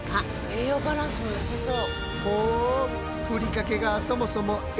栄養バランスもよさそう。